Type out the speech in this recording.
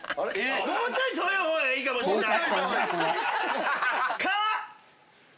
もうちょい遠いほうがいいかもしれない。